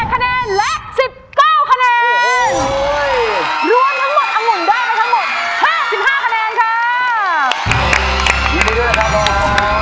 ก็จะเอาคำติชมนะคะคำแนะนำของกรรมการทุกเพลงเลยค่ะ